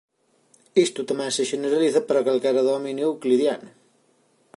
Isto tamén se xeneraliza para calquera dominio euclidiano.